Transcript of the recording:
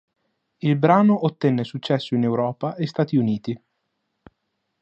Il brano ottenne successo in Europa e Stati Uniti.